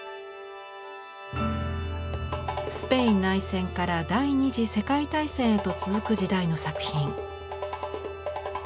スペイン内戦から第二次世界大戦へと続く時代の作品。